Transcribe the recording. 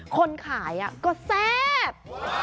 คนขายก็แซ่บ